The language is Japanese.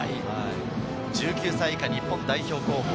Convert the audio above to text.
１９歳以下日本代表候補。